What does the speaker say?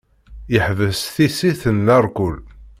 Yeḥbes tissit n larkul.